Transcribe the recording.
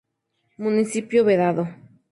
Municipio Vedado.